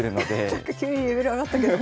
なんか急にレベル上がったけど。